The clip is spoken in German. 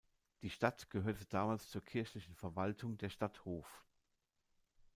Die Stadt gehörte damals zur kirchlichen Verwaltung der Stadt Hof.